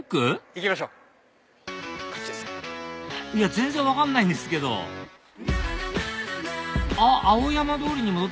全然分かんないんですけどあっ